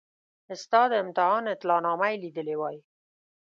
ستا د امتحان اطلاع نامه یې لیدلې وای.